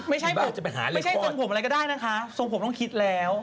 ไม่ใช่จนผมอะไรก็ได้นะคะส่งผมต้องคิดแล้ว